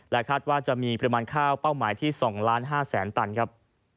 และคาดว่าจะมีประมาณค่าเป้าหมายที่๒๕ล้านตันครับ